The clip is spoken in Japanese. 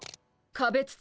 かべつち？